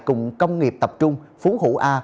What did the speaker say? cùng công nghiệp tập trung phú hữu a